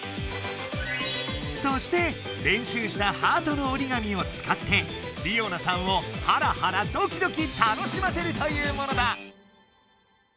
そしてれんしゅうしたハートの折り紙をつかってりおなさんをハラハラドキドキ楽しませるというものだ。